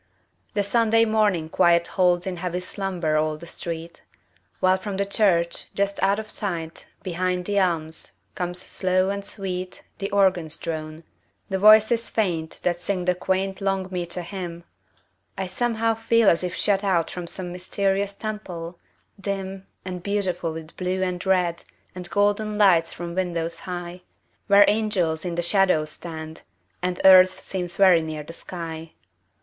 The Sunday morning quiet holds In heavy slumber all the street, While from the church, just out of sight Behind the elms, comes slow and sweet The organ's drone, the voices faint That sing the quaint long meter hymn I somehow feel as if shut out From some mysterious temple, dim And beautiful with blue and red And golden lights from windows high, Where angels in the shadows stand And earth seems very near the sky.